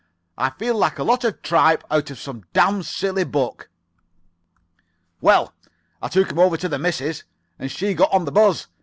"'I feel like a lot of tripe out of some damn silly book.' "Well, I took him over to the missus, and she got on the buzz.